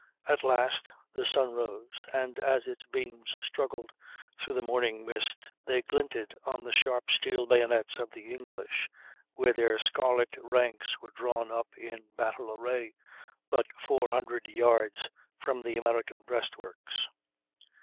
At last the sun rose, and as its beams struggled through the morning mist they glinted on the sharp steel bayonets of the English, where their scarlet ranks were drawn up in battle array, but four hundred yards from the American breastworks.